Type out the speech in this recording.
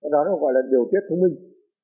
đó nó gọi là điều tiết thông minh